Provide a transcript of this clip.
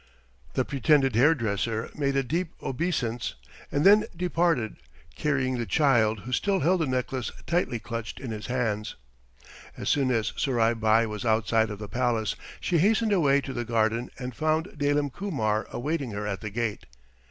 The pretended hairdresser made a deep obeisance, and then departed, carrying the child who still held the necklace tightly clutched in his hands. As soon as Surai Bai was outside of the palace she hastened away to the garden and found Dalim Kumar awaiting her at the gate.